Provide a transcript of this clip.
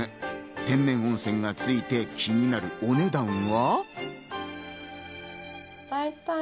天然温泉が付いて、気になるお値段は。